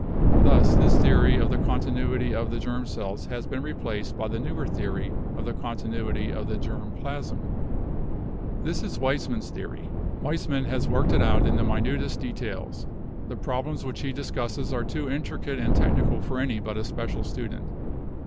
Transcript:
Thus this theory of the continuity of the germ cells has been replaced by the newer theory of the continuity of the germ plasm. This is Weismann's theory. Weismann has worked it out in the minutest details. The problems which he dis cusses are too intricate and technical for any but a special student.